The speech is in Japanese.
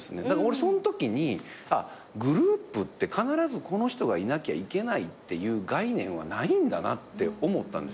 そのときにグループって必ずこの人がいなきゃいけないっていう概念はないんだなって思ったんです。